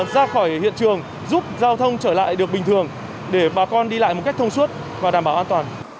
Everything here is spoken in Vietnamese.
ra khỏi hiện trường giúp giao thông trở lại được bình thường để bà con đi lại một cách thông suốt và đảm bảo an toàn